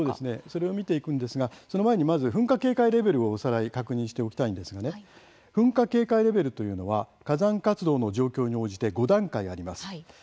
それを見ていくんですがその前に、まず噴火警戒レベルをおさらい確認しておきたいんですが噴火警戒レベルというのは火山活動の状況に応じて５段階あります。